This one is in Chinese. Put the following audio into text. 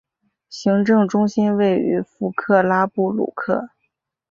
行政中心位于弗克拉布鲁克。